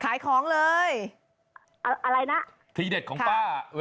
สามสิบบอโอเคไหม